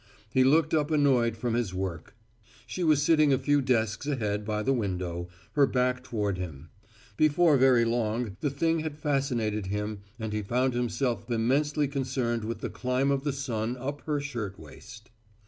He looked up annoyed from his work. She was sitting a few desks ahead by the window, her back toward him. Before very long the thing had fascinated him and he found himself immensely concerned with the climb of the sun up her shirt waist.